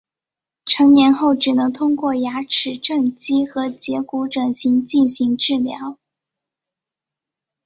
成年后只能通过牙齿正畸和截骨整形进行治疗。